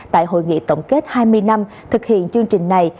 tại hội nghị tổng kết hai mươi năm thực hiện chương trình này